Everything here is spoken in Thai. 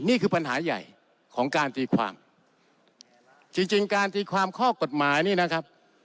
นี่คือปัญหาใหญ่ของการตีความจริงจริงการตีความข้อกฎหมายนี่นะครับ